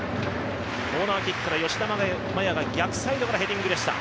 コーナーキックから吉田麻也が逆サイドからのヘディングでした。